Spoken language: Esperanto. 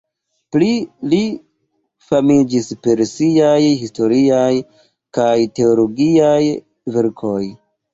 Pli li famiĝis per siaj historiaj kaj teologiaj verkoj.